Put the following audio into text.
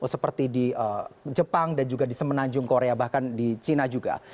seperti di jepang dan juga di semenanjung korea bahkan di china juga